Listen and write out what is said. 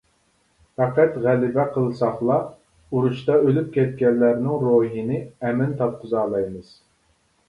پەقەت غەلىبە قىلساقلا، ئۇرۇشتا ئۆلۈپ كەتكەنلەرنىڭ روھىنى ئەمىن تاپقۇزالايمىز.